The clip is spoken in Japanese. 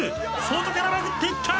外からまくっていった！